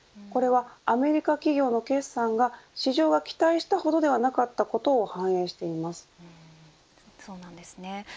これはアメリカ企業の決算が市場が期待したほどではなかったことをそうなんですね。